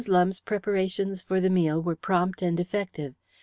Lumbe's preparations for the meal were prompt and effective.